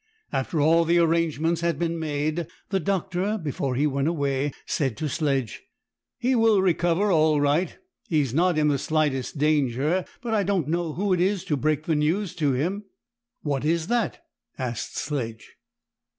After all the arrangements had been made, the doctor, before he went away, said to Sledge: "He will recover all right, he is not in the slightest danger; but I don't know who is to break the news to him." "What is that?" asked Sledge.